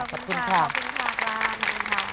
ขอบคุณค่ะขอบคุณค่ะ